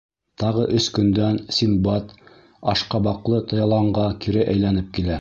Тағы өс көндән Синдбад ашҡабаҡлы яланға кире әйләнеп килә.